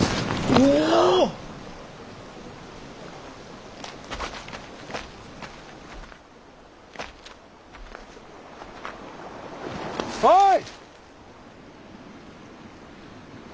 おい！